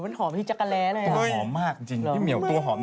มันหอมพี่จักรแร้เลยอ่ะมันหอมมากจริงพี่เหมียวตัวหอม